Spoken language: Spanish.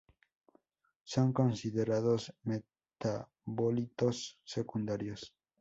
Son considerados metabolitos secundarios.